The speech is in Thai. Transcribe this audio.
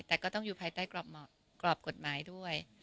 แต่ก็ต้องอยู่ภายใต้กรอบกฎหมายด้วย